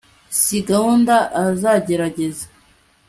sinzi gahunda azagerageza